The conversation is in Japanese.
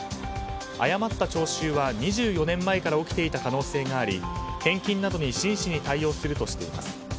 誤った徴収は２４年前から起きていた可能性があり返金などに真摯に対応するとしています。